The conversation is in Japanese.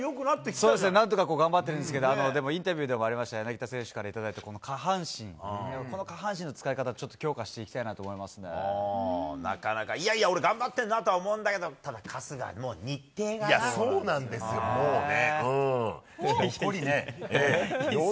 そうですね、なんとか頑張ってるんですけど、でもインタビューでもありましたように、柳田選手から頂いた、この下半身、この下半身の使い方、ちょっと強なかなか、いやいや、俺、頑張ってるなとは思うんだけど、そうなんですよ、もうね。